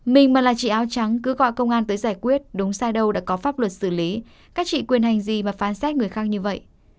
mình mà là chị áo trắng cứ gọi công an tới giải quyết đúng sai đâu đã có pháp luật xử lý các chị quyền hành gì và phán xét người khác như vậy